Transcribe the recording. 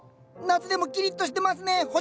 夏でもキリッとしてますね星田さん！